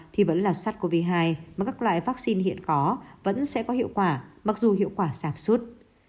thì vẫn là sars cov hai mà các loại vaccine hiện có vẫn sẽ có hiệu quả mặc dù hiệu quả giảm suốt